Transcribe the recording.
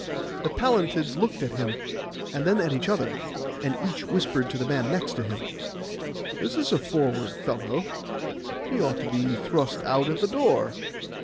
The Pallantids looked at him, and then at each other, and each whispered to the man next him, 'This is a forward fellow; he ought to be thrust out at the door.